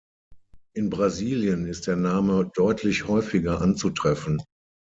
In Brasilien ist der Name deutlich häufiger anzutreffen.